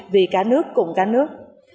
vì cả nước cùng cả nước